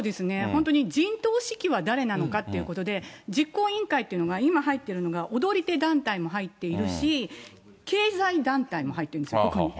本当に陣頭指揮は誰なのかということで、実行委員会っていうのが、今入ってるのが踊り手団体も入っているし、経済団体も入ってるんですよ、そこに。